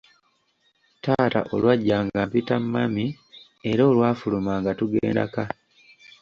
Taata olwajja nga mpita mami era olwafuluma nga tugenda ka.